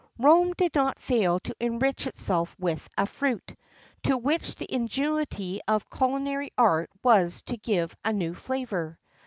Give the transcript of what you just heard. Rome did not fail to enrich itself with a fruit[XIII 3] to which the ingenuity of culinary art was to give a new flavour.